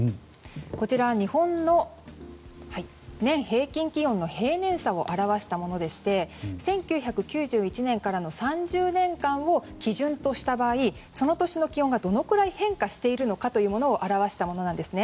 こちらは日本の年平均気温の平年差を表したものでして１９９１年からの３０年間を基準とした場合その年の気温がどれくらい変化しているのかというものを表したものなんです。